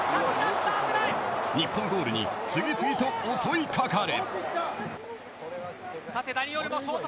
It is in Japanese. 日本ゴールに次々と襲いかかる。